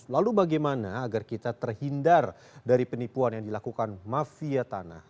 lalu bagaimana agar kita terhindar dari penipuan yang dilakukan mafia tanah